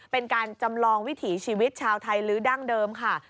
เป็นการจำลองวิถีชีวิตชาวไทยลื้อดั้งเดิมค่ะ